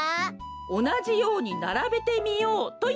「おなじようにならべてみよう！」というゲームです。